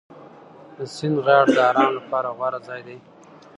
د سیند غاړه د ارام لپاره غوره ځای دی.